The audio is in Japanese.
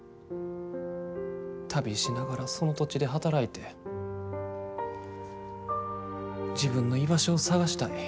旅しながら、その土地で働いて自分の居場所を探したい。